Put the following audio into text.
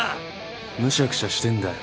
むしゃくしゃしてんだよ。